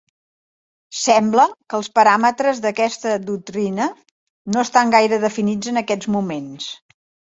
Sembla que els paràmetres d'aquesta doctrina no estan gaire definits en aquests moments.